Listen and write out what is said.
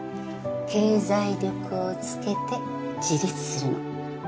経済力をつけて自立するの